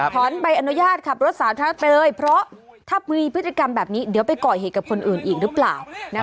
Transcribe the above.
ใบอนุญาตขับรถสาธารณะไปเลยเพราะถ้ามีพฤติกรรมแบบนี้เดี๋ยวไปก่อเหตุกับคนอื่นอีกหรือเปล่า